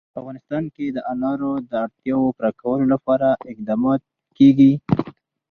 په افغانستان کې د انار د اړتیاوو پوره کولو لپاره اقدامات کېږي.